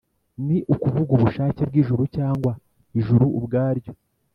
ni ukuvuga ubushake bw’ijuru cyangwa ijuru ubwaryo